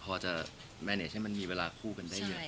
พอจะแมนเนสให้มันมีเวลาคู่กันได้เยอะ